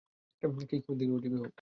Kingsman দীর্ঘজীবি হোক।